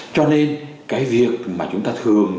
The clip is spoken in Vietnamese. cho nên cái việc mà chúng ta thường